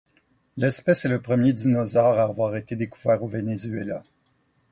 L'espèce est le premier dinosaure à avoir été découvert au Venezuela.